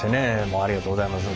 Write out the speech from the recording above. もうありがとうございます。